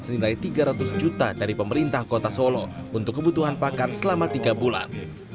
senilai tiga ratus juta dari pemerintah kota solo untuk kebutuhan pakan selama tiga bulan